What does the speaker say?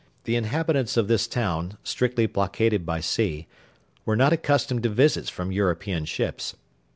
The inhabitants of this town, strictly blockaded by sea, were not accustomed to visits from European ships.